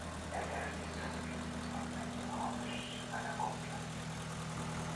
Exercícios físicos aumentam a autoestima e a confiança.